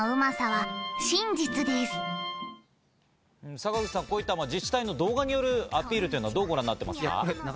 坂口さん、こういった自治体の動画によるアピール、どうご覧になっていますか？